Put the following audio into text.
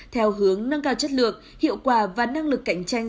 theo hướng nâng cao chất lượng hiệu quả và năng lực cạnh tranh